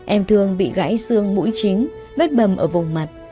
em thường bị gãy xương mũi chính vết bầm ở vùng mặt